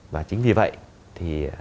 và chính vì vậy thì